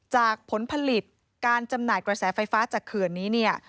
ผลผลิตการจำหน่ายกระแสไฟฟ้าจากเขื่อนนี้เนี่ย